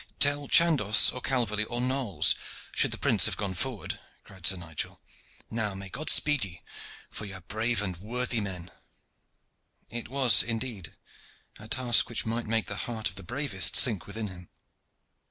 "Tell Chandos, or Calverley, or Knolles, should the prince have gone forward," cried Sir Nigel. "Now may God speed ye, for ye are brave and worthy men." It was, indeed, a task which might make the heart of the bravest sink within him.